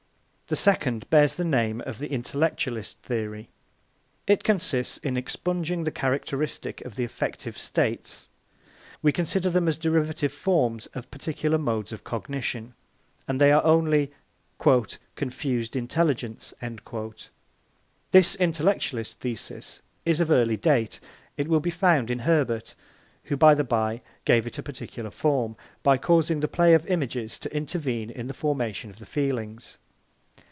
The second bears the name of the intellectualist theory. It consists in expunging the characteristic of the affective states. We consider them as derivative forms of particular modes of cognition, and they are only "confused intelligence." This intellectualist thesis is of early date; it will be found in Herbart, who, by the by, gave it a peculiar form, by causing the play of images to intervene in the formation of the feelings.